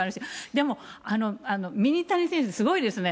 でもミニタニ選手、すごいですね。